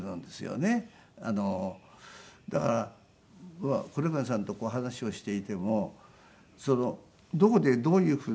だから黒柳さんとこう話をしていてもどこでどういうふうな人が。